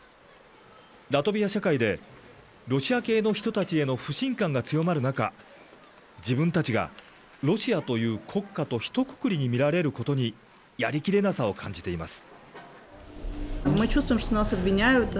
ラトビア社会でロシア系の人たちへの不信感が強まる中、自分たちがロシアという国家とひとくくりに見られることに、やりきれなさを感じています。